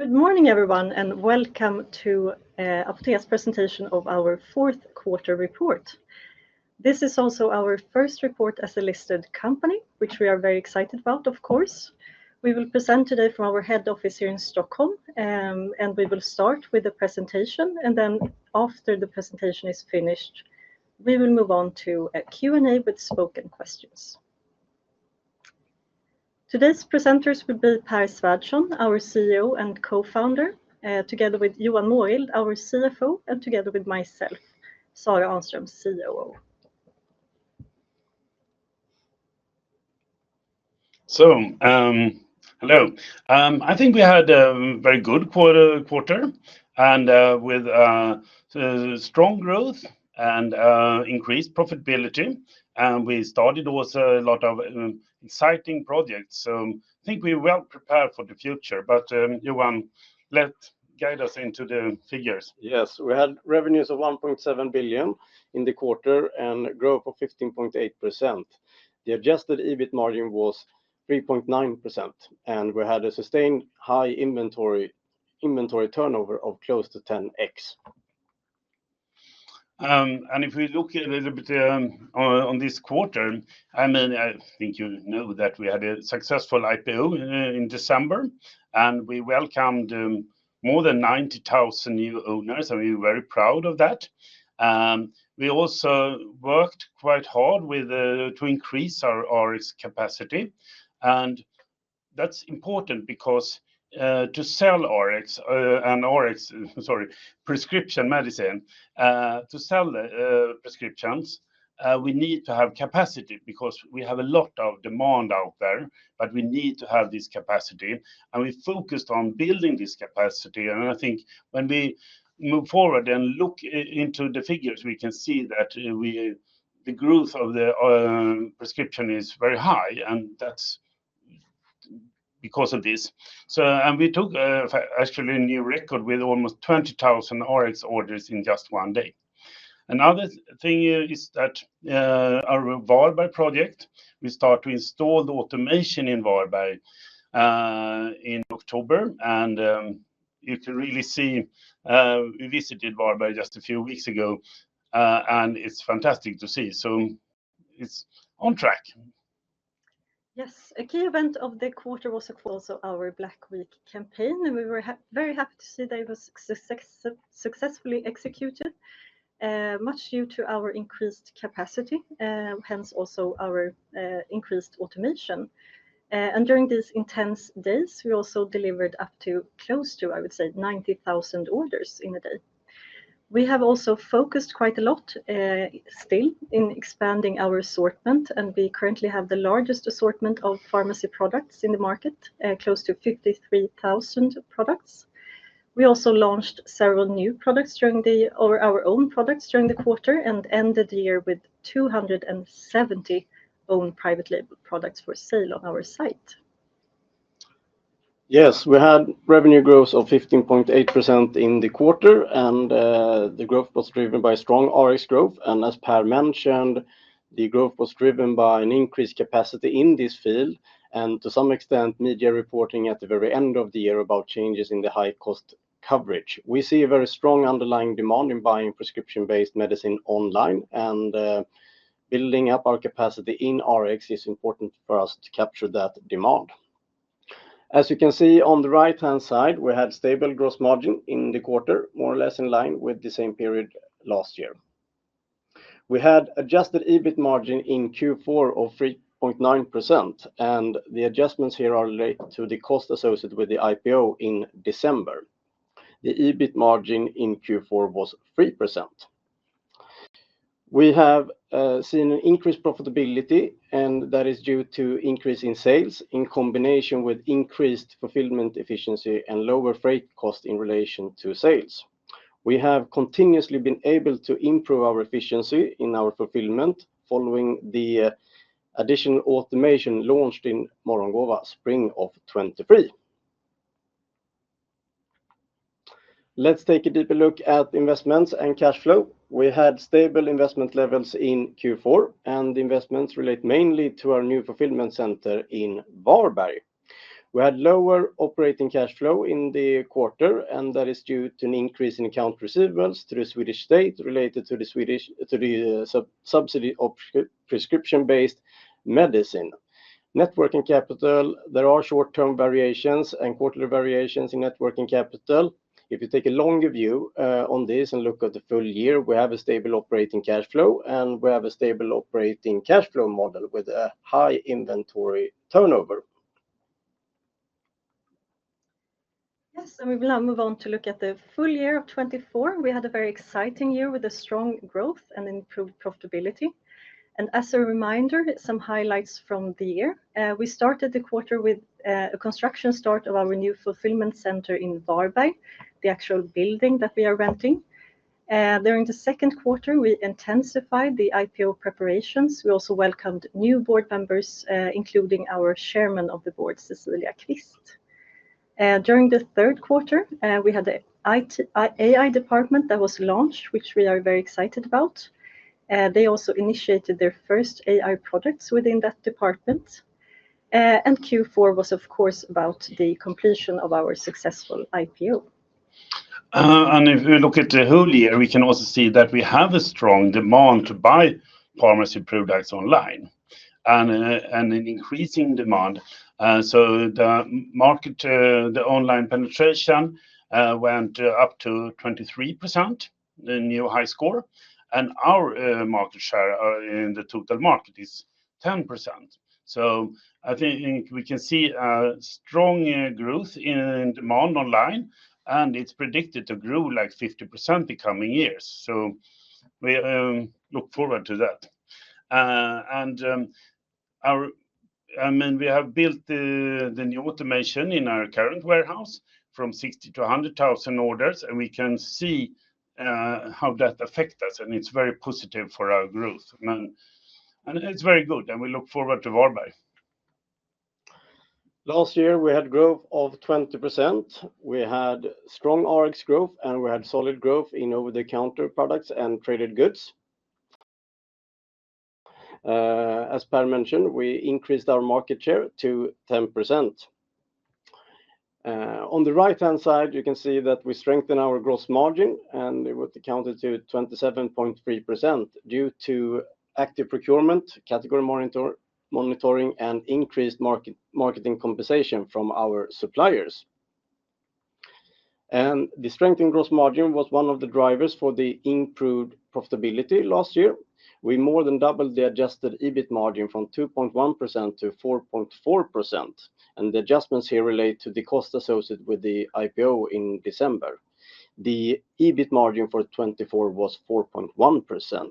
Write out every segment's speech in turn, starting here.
Good morning, everyone, and welcome to the Apotea's presentation of our fourth quarter report. This is also our first report as a listed company, which we are very excited about, of course. We will present today from our head office here in Stockholm, and we will start with the presentation, and then after the presentation is finished, we will move on to a Q&A with spoken questions. Today's presenters will be Pär Svärdson, our CEO and co-founder, together with Johan Mårild, our CFO, and together with myself, Sarah Ahnström, COO So, hello. I think we had a very good quarter, and with strong growth and increased profitability. And we started also a lot of exciting projects, so I think we're well prepared for the future. But, Johan, let's guide us into the figures. Yes, we had revenues of 1.7 billion in the quarter and a growth of 15.8%. The adjusted EBIT margin was 3.9%, and we had a sustained high inventory turnover of close to 10x. And if we look a little bit on this quarter, I mean, I think you know that we had a successful IPO in December, and we welcomed more than 90,000 new owners, and we're very proud of that. We also worked quite hard to increase our Rx capacity, and that's important because to sell Rx, and Rx, sorry, prescription medicine, to sell prescriptions, we need to have capacity because we have a lot of demand out there, but we need to have this capacity. And we focused on building this capacity, and I think when we move forward and look into the figures, we can see that the growth of the prescription is very high, and that's because of this. So, and we took actually a new record with almost 20,000 Rx orders in just one day. Another thing is that our Varberg project. We start to install the automation in Varberg in October, and you can really see we visited Varberg just a few weeks ago, and it's fantastic to see, so it's on track. Yes, a key event of the quarter was also our Black Week campaign, and we were very happy to see that it was successfully executed, much due to our increased capacity, hence also our increased automation. And during these intense days, we also delivered up to close to, I would say, 90,000 orders in a day. We have also focused quite a lot still in expanding our assortment, and we currently have the largest assortment of pharmacy products in the market, close to 53,000 products. We also launched several new products, or our own products during the quarter, and ended the year with 270 own private label products for sale on our site. Yes, we had revenue growth of 15.8% in the quarter, and the growth was driven by strong Rx growth, and as Pär mentioned, the growth was driven by an increased capacity in this field, and to some extent, media reporting at the very end of the year about changes in the high cost coverage. We see a very strong underlying demand in buying prescription-based medicine online, and building up our capacity in Rx is important for us to capture that demand. As you can see on the right-hand side, we had stable gross margin in the quarter, more or less in line with the same period last year. We had adjusted EBIT margin in Q4 of 3.9%, and the adjustments here are related to the cost associated with the IPO in December. The EBIT margin in Q4 was 3%. We have seen an increased profitability, and that is due to increasing sales in combination with increased fulfillment efficiency and lower freight cost in relation to sales. We have continuously been able to improve our efficiency in our fulfillment following the additional automation launched in Morgongåva spring of 2023. Let's take a deeper look at investments and cash flow. We had stable investment levels in Q4, and investments relate mainly to our new fulfillment center in Varberg. We had lower operating cash flow in the quarter, and that is due to an increase in account receivables to the Swedish state related to the Swedish, to the subsidy of prescription-based medicine. Net working capital, there are short-term variations and quarterly variations in net working capital. If you take a longer view on this and look at the full year, we have a stable operating cash flow, and we have a stable operating cash flow model with a high inventory turnover. Yes, and we will now move on to look at the full year of 2024. We had a very exciting year with a strong growth and improved profitability. And as a reminder, some highlights from the year. We started the quarter with a construction start of our new fulfillment center in Varberg, the actual building that we are renting. During the second quarter, we intensified the IPO preparations. We also welcomed new board members, including our Chairman of the Board, Cecilia Qvist. During the third quarter, we had an AI department that was launched, which we are very excited about. They also initiated their first AI products within that department. And Q4 was, of course, about the completion of our successful IPO. And if we look at the whole year, we can also see that we have a strong demand to buy pharmacy products online and an increasing demand. So the market, the online penetration went up to 23%, the new high score. And our market share in the total market is 10%. So I think we can see a strong growth in demand online, and it's predicted to grow like 50% in the coming years. So we look forward to that. And our, I mean, we have built the new automation in our current warehouse from 60 to 100,000 orders, and we can see how that affects us, and it's very positive for our growth. And it's very good, and we look forward to Varberg. Last year, we had growth of 20%. We had strong Rx growth, and we had solid growth in over-the-counter products and traded goods. As Pär mentioned, we increased our market share to 10%. On the right-hand side, you can see that we strengthened our gross margin, and it was accounted to 27.3% due to active procurement, category monitoring, and increased marketing compensation from our suppliers. The strengthened gross margin was one of the drivers for the improved profitability last year. We more than doubled the adjusted EBIT margin from 2.1% to 4.4%. The adjustments here relate to the cost associated with the IPO in December. The EBIT margin for 2024 was 4.1%.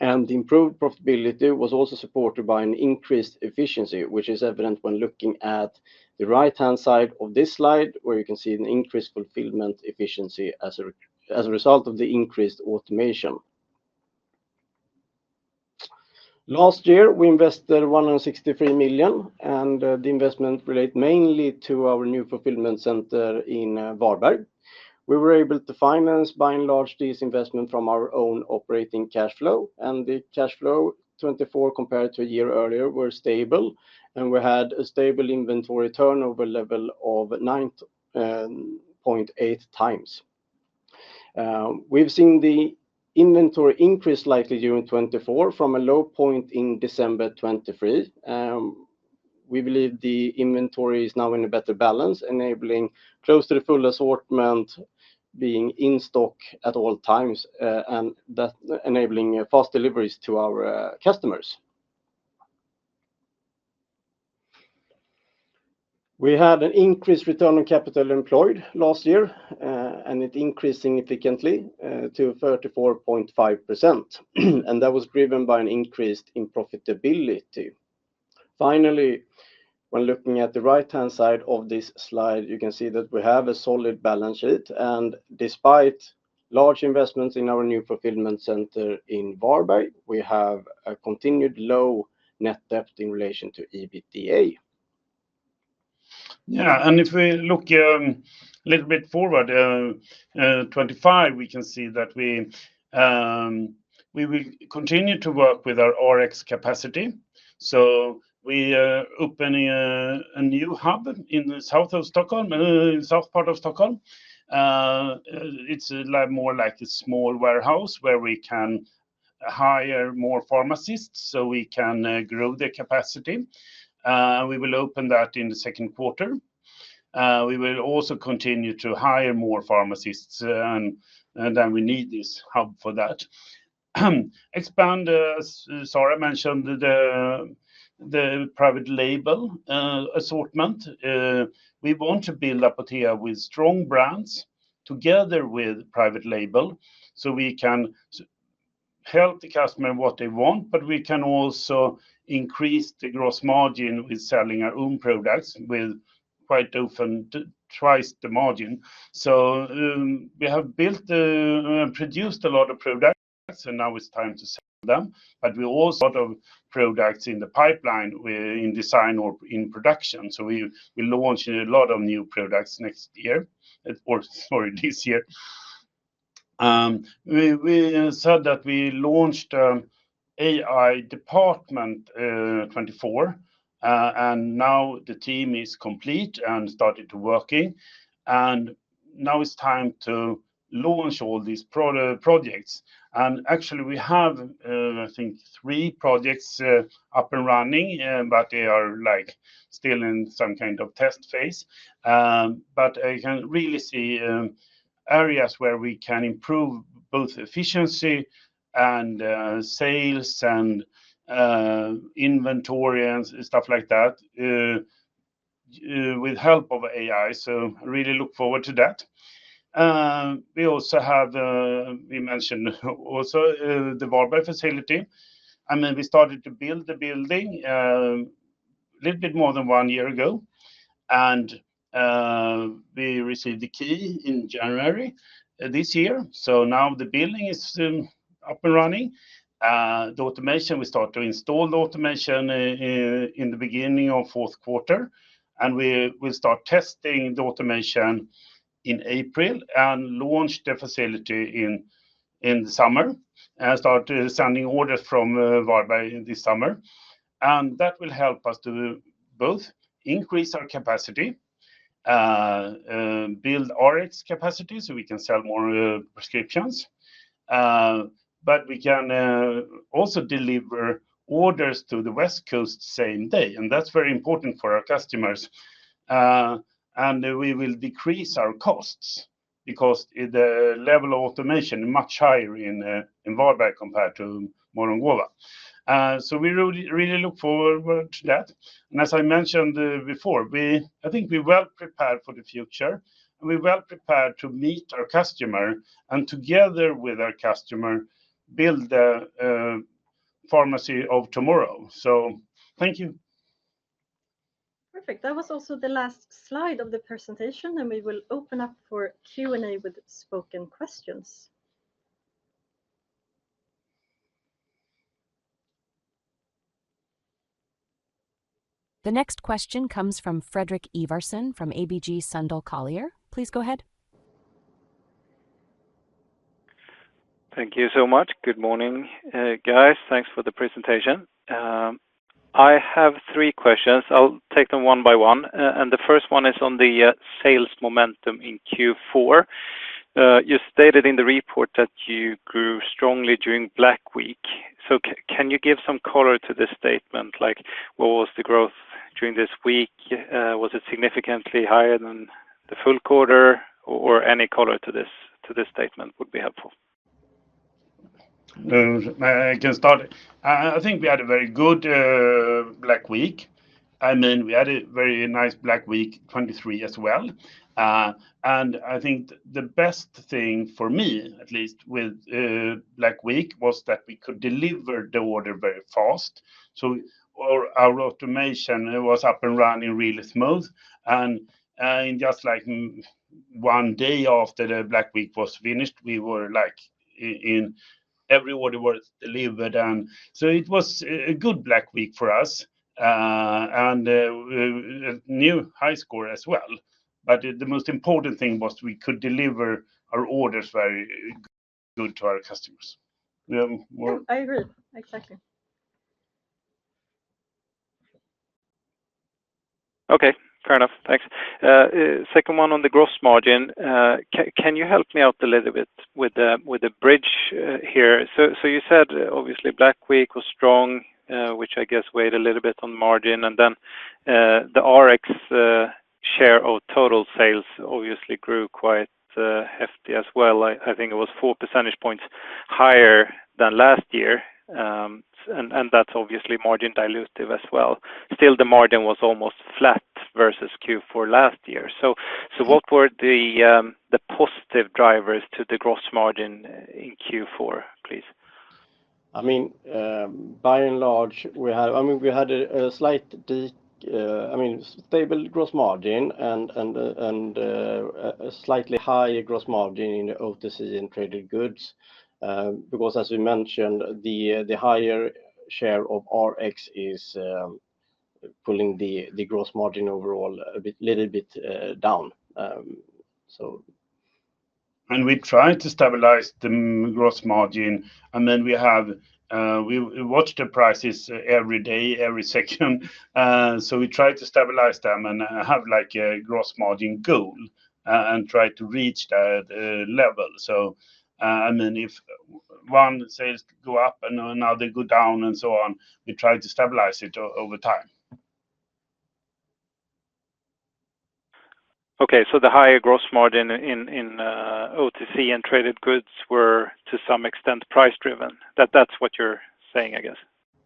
The improved profitability was also supported by an increased efficiency, which is evident when looking at the right-hand side of this slide, where you can see an increased fulfillment efficiency as a result of the increased automation. Last year, we invested 163 million, and the investment relates mainly to our new fulfillment center in Varberg. We were able to finance, by and large, this investment from our own operating cash flow, and the cash flow 2024 compared to a year earlier was stable, and we had a stable inventory turnover level of 9.8x. We've seen the inventory increase slightly during 2024 from a low point in December 2023. We believe the inventory is now in a better balance, enabling close to the full assortment being in stock at all times and enabling fast deliveries to our customers. We had an increased return on capital employed last year, and it increased significantly to 34.5%, and that was driven by an increase in profitability. Finally, when looking at the right-hand side of this slide, you can see that we have a solid balance sheet, and despite large investments in our new fulfillment center in Varberg, we have a continued low net debt in relation to EBITDA. Yeah, and if we look a little bit forward, 2025, we can see that we will continue to work with our Rx capacity. So we are opening a new hub in the south of Stockholm, in the south part of Stockholm. It's more like a small warehouse where we can hire more pharmacists so we can grow the capacity. We will open that in the second quarter. We will also continue to hire more pharmacists, and then we need this hub for that. Expand. Sarah mentioned the private label assortment. We want to build Apotea with strong brands together with private label so we can help the customer what they want, but we can also increase the gross margin with selling our own products with quite often twice the margin. So we have built and produced a lot of products, and now it's time to sell them. But we also. A lot of products in the pipeline in design or in production, so we launched a lot of new products next year, or sorry, this year. We said that we launched the AI department 2024, and now the team is complete and started working. Now it's time to launch all these projects. Actually, we have, I think, three projects up and running, but they are like still in some kind of test phase. I can really see areas where we can improve both efficiency and sales and inventory and stuff like that with help of AI. I really look forward to that. We also have, we mentioned also the Varberg facility. I mean, we started to build the building a little bit more than one year ago, and we received the key in January this year. Now the building is up and running. The automation, we start to install the automation in the beginning of fourth quarter, and we will start testing the automation in April and launch the facility in the summer and start sending orders from Varberg this summer. And that will help us to both increase our capacity, build Rx capacity so we can sell more prescriptions, but we can also deliver orders to the West Coast same day, and that's very important for our customers. And we will decrease our costs because the level of automation is much higher in Varberg compared to Morgongåva. So we really look forward to that. And as I mentioned before, I think we're well prepared for the future, and we're well prepared to meet our customer and together with our customer build the pharmacy of tomorrow. So thank you. Perfect. That was also the last slide of the presentation, and we will open up for Q&A with spoken questions. The next question comes from Fredrik Ivarsson from ABG Sundal Collier. Please go ahead. Thank you so much. Good morning, guys. Thanks for the presentation. I have three questions. I'll take them one by one, and the first one is on the sales momentum in Q4. You stated in the report that you grew strongly during Black Week, so can you give some color to this statement? Like, what was the growth during this week? Was it significantly higher than the full quarter, or any color to this statement would be helpful. I can start. I think we had a very good Black Week. I mean, we had a very nice Black Week 2023 as well, and I think the best thing for me, at least with Black Week, was that we could deliver the order very fast, so our automation was up and running really smooth, and in just like one day after the Black Week was finished, we were like, every order was delivered, and so it was a good Black Week for us and a new high score as well, but the most important thing was we could deliver our orders very good to our customers. I agree. Exactly. Okay. Fair enough. Thanks. Second one on the gross margin. Can you help me out a little bit with the bridge here? So you said obviously Black Week was strong, which I guess weighed a little bit on margin. And then the Rx share of total sales obviously grew quite hefty as well. I think it was four percentage points higher than last year. And that's obviously margin dilutive as well. Still, the margin was almost flat versus Q4 last year. So what were the positive drivers to the gross margin in Q4, please? I mean, by and large, we had a slight, I mean, stable gross margin and a slightly higher gross margin in the OTC and traded goods. Because as we mentioned, the higher share of Rx is pulling the gross margin overall a little bit down. So. And we tried to stabilize the gross margin, and then we watched the prices every day, every second. So we tried to stabilize them and have like a gross margin goal and try to reach that level. So I mean, if one sales go up and another go down and so on, we tried to stabilize it over time. Okay. So the higher gross margin in OTC and traded goods were to some extent price-driven. That's what you're saying, I guess?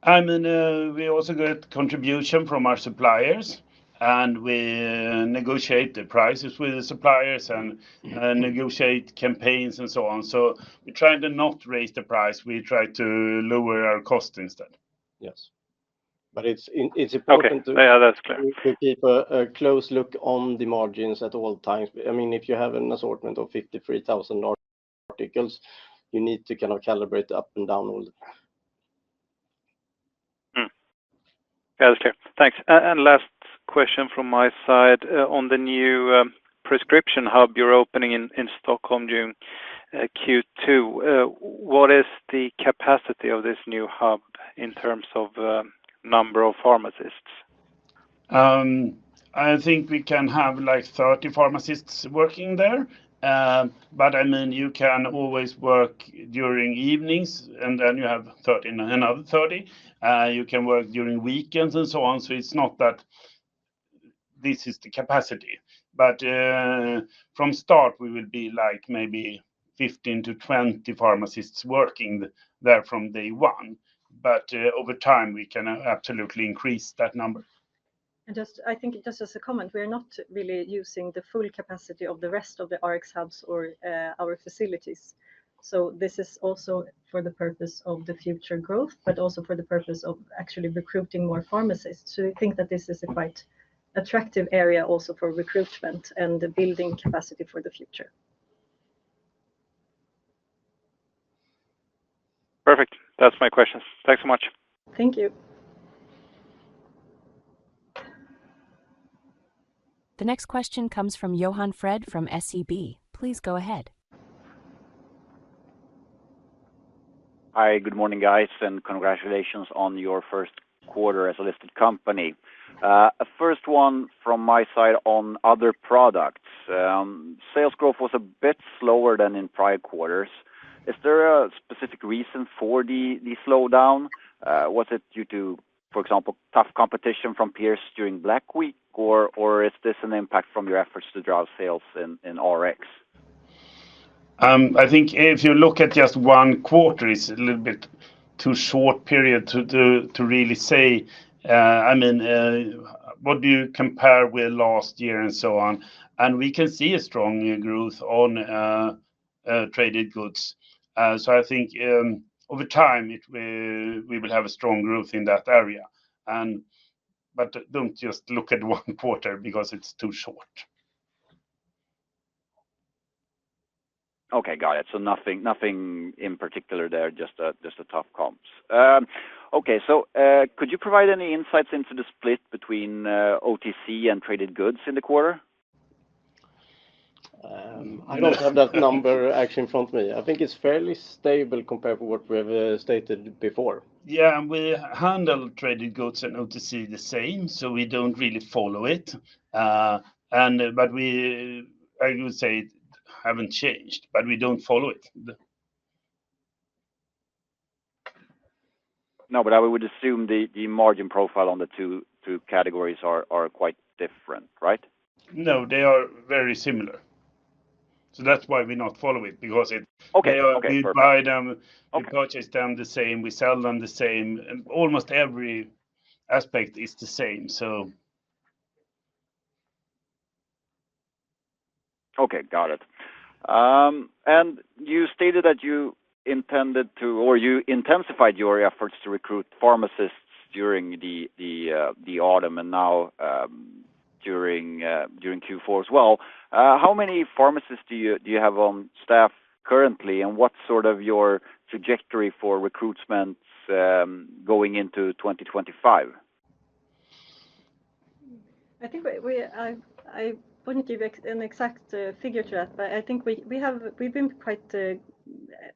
I mean, we also got contribution from our suppliers, and we negotiate the prices with the suppliers and negotiate campaigns and so on. So we tried to not raise the price. We tried to lower our cost instead. Yes. But it's important to keep a close look on the margins at all times. I mean, if you have an assortment of 53,000 articles, you need to kind of calibrate up and down all the time. That's clear. Thanks. And last question from my side on the new prescription hub you're opening in Stockholm during Q2. What is the capacity of this new hub in terms of number of pharmacists? I think we can have like 30 pharmacists working there. But I mean, you can always work during evenings, and then you have 30 and another 30. You can work during weekends and so on. So it's not that this is the capacity. But from start, we will be like maybe 15-20 pharmacists working there from day one. But over time, we can absolutely increase that number. And just, I think, as a comment, we are not really using the full capacity of the rest of the Rx hubs or our facilities. So this is also for the purpose of the future growth, but also for the purpose of actually recruiting more pharmacists. So we think that this is a quite attractive area also for recruitment and building capacity for the future. Perfect. That's my questions. Thanks so much. Thank you. The next question comes from Johan Mårild from SEB. Please go ahead. Hi, good morning, guys, and congratulations on your first quarter as a listed company. A first one from my side on other products. Sales growth was a bit slower than in prior quarters. Is there a specific reason for the slowdown? Was it due to, for example, tough competition from peers during Black Week, or is this an impact from your efforts to drive sales in Rx? I think if you look at just one quarter, it's a little bit too short period to really say. I mean, what do you compare with last year and so on? And we can see a strong growth on traded goods. So I think over time, we will have a strong growth in that area. But don't just look at one quarter because it's too short. Okay. Got it. So nothing in particular there, just the top comps. Okay. So could you provide any insights into the split between OTC and traded goods in the quarter? I don't have that number actually in front of me. I think it's fairly stable compared to what we have stated before. Yeah. And we handle traded goods and OTC the same, so we don't really follow it. But I would say it hasn't changed, but we don't follow it. No, but I would assume the margin profile on the two categories are quite different, right? No, they are very similar. So that's why we not follow it because we buy them, we purchase them the same, we sell them the same. Almost every aspect is the same, so. Okay. Got it, and you stated that you intended to, or you intensified your efforts to recruit pharmacists during the autumn and now during Q4 as well. How many pharmacists do you have on staff currently, and what's sort of your trajectory for recruitment going into 2025? I think I won't give an exact figure to that, but I think we've been quite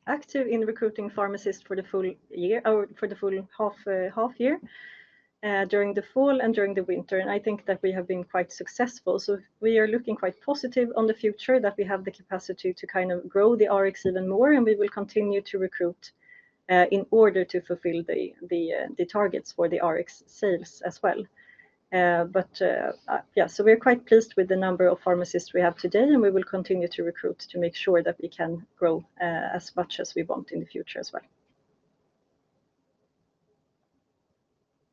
active in recruiting pharmacists for the full year or for the full half year during the fall and during the winter. And I think that we have been quite successful. So we are looking quite positive on the future that we have the capacity to kind of grow the Rx even more, and we will continue to recruit in order to fulfill the targets for the Rx sales as well. But yeah, so we're quite pleased with the number of pharmacists we have today, and we will continue to recruit to make sure that we can grow as much as we want in the future as well.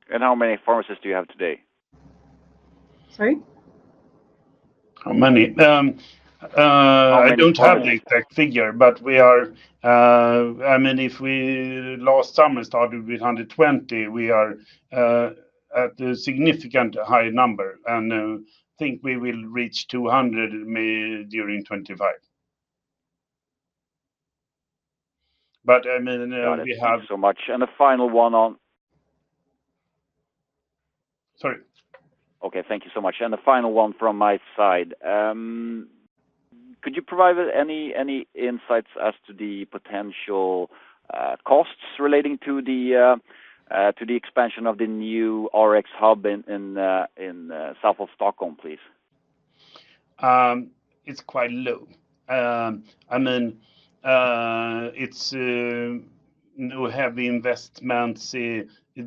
How many pharmacists do you have today? Sorry? How many? I don't have the exact figure, but we are, I mean, if we last summer started with 120, we are at a significantly high number, and I think we will reach 200 during 2025, but I mean, we have. Thank you so much, and a final one on. Sorry. Okay. Thank you so much. And a final one from my side. Could you provide any insights as to the potential costs relating to the expansion of the new Rx hub in south of Stockholm, please? It's quite low. I mean, we have the investments,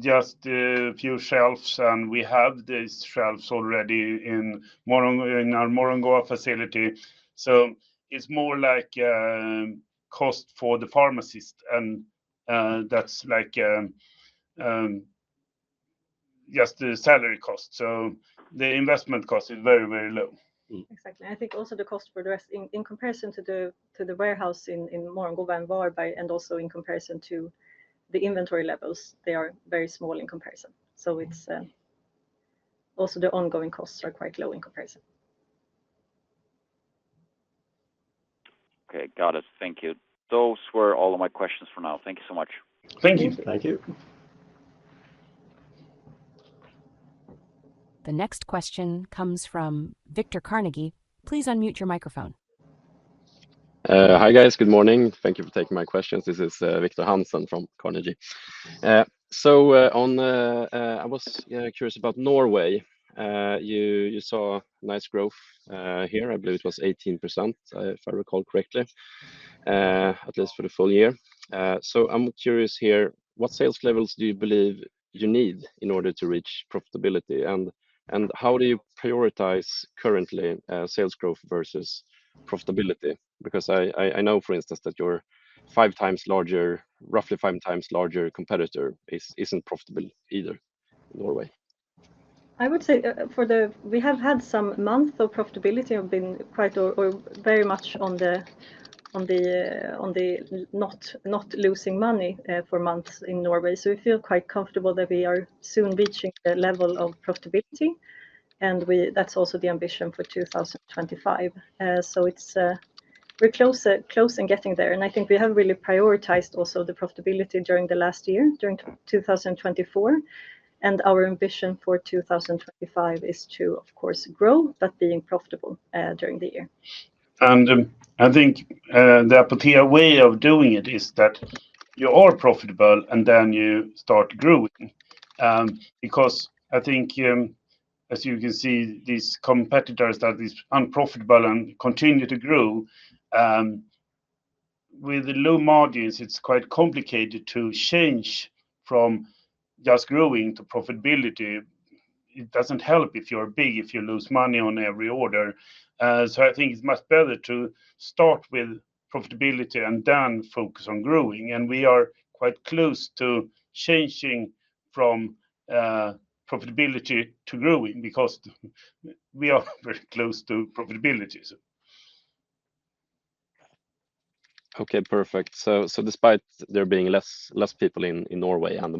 just a few shelves, and we have these shelves already in our Morgongåva facility. So it's more like a cost for the pharmacist, and that's like just the salary cost. So the investment cost is very, very low. Exactly. I think also the cost for the rest, in comparison to the warehouse in Morgongåva and Varberg, and also in comparison to the inventory levels, they are very small in comparison. So also the ongoing costs are quite low in comparison. Okay. Got it. Thank you. Those were all of my questions for now. Thank you so much. Thank you. Thank you. The next question comes from Viktor Carnegie. Please unmute your microphone. Hi guys. Good morning. Thank you for taking my questions. This is Viktor Hansen from Carnegie. So I was curious about Norway. You saw nice growth here. I believe it was 18%, if I recall correctly, at least for the full year. So I'm curious here, what sales levels do you believe you need in order to reach profitability? And how do you prioritize currently sales growth versus profitability? Because I know, for instance, that your five times larger, roughly five times larger competitor isn't profitable either in Norway. I would say we have had some months of profitability have been quite or very much on the not losing money for months in Norway. So we feel quite comfortable that we are soon reaching the level of profitability. And that's also the ambition for 2025. So we're close in getting there. And I think we have really prioritized also the profitability during the last year, during 2024. And our ambition for 2025 is to, of course, grow, but being profitable during the year. I think the Apotea way of doing it is that you are profitable and then you start growing. Because I think, as you can see, these competitors that are unprofitable and continue to grow, with the low margins, it's quite complicated to change from just growing to profitability. It doesn't help if you're big, if you lose money on every order. So I think it's much better to start with profitability and then focus on growing. We are quite close to changing from profitability to growing because we are very close to profitability. Okay. Perfect. So despite there being less people in Norway and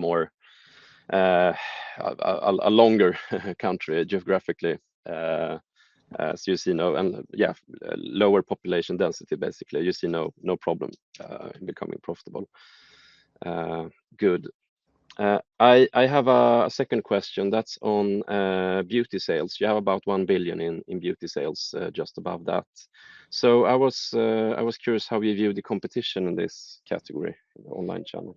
a more longer country geographically, as you see, and yeah, lower population density, basically, you see no problem in becoming profitable. Good. I have a second question that's on beauty sales. You have about 1 billion in beauty sales, just above that. So I was curious how you view the competition in this category in the online channel.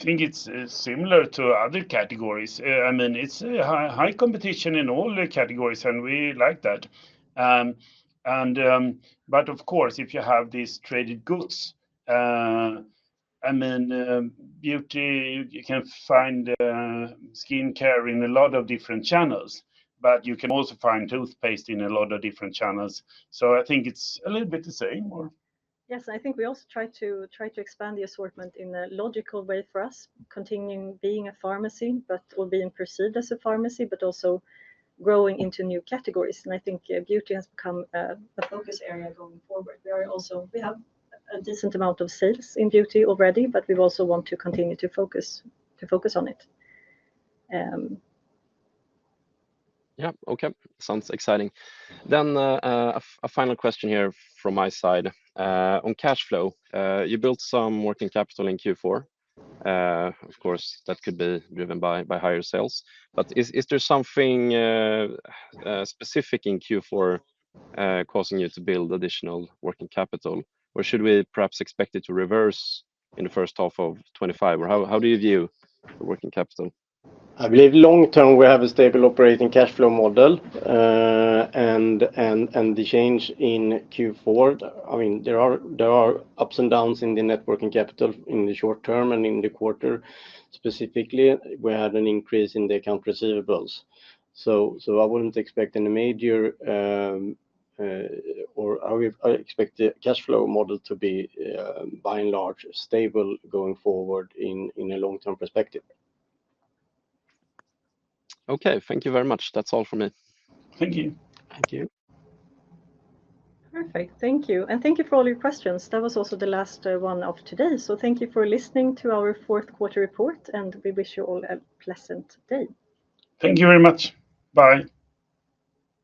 I think it's similar to other categories. I mean, it's high competition in all the categories, and we like that. But of course, if you have these traded goods, I mean, beauty, you can find skincare in a lot of different channels, but you can also find toothpaste in a lot of different channels. So I think it's a little bit the same, or? Yes. I think we also try to expand the assortment in a logical way for us, continuing being a pharmacy, but being perceived as a pharmacy, but also growing into new categories. And I think beauty has become a focus area going forward. We have a decent amount of sales in beauty already, but we also want to continue to focus on it. Yeah. Okay. Sounds exciting. Then a final question here from my side. On cash flow, you built some working capital in Q4. Of course, that could be driven by higher sales. But is there something specific in Q4 causing you to build additional working capital, or should we perhaps expect it to reverse in the first half of 2025, or how do you view the working capital? I believe long-term, we have a stable operating cash flow model. The change in Q4, I mean, there are ups and downs in the net working capital in the short term and in the quarter. Specifically, we had an increase in the accounts receivable. I wouldn't expect any major, or I expect the cash flow model to be, by and large, stable going forward in a long-term perspective. Okay. Thank you very much. That's all from me. Thank you. Thank you. Perfect. Thank you, and thank you for all your questions. That was also the last one of today, so thank you for listening to our fourth quarter report, and we wish you all a pleasant day. Thank you very much. Bye.